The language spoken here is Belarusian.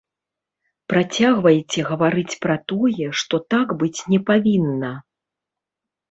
Працягвайце гаварыць пра тое, што так быць не павінна.